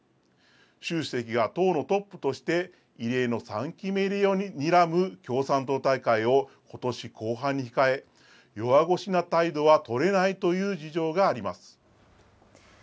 習主席が党のトップとして異例の３期目入りをにらむ共産党大会をことし後半に控え、弱腰な態度は取れないという事情があります。